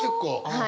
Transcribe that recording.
はい。